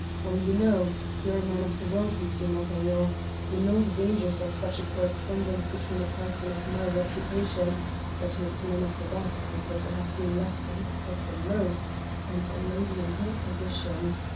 Well, you know you are a man of the world, M. Montaiglon you know the dangers of such a correspondence between a person of my reputation, that is none of the best, because I have been less a hypocrite than most, and a lady in her position.